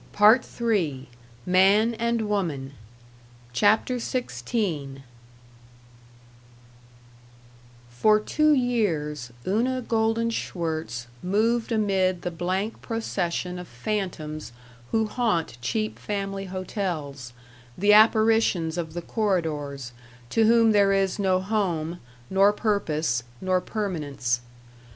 Part III MAN AND WOMAN CHAPTER XVI For two years Una Golden Schwirtz moved amid the blank procession of phantoms who haunt cheap family hotels, the apparitions of the corridors, to whom there is no home, nor purpose, nor permanence.